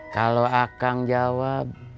kalau akang jawab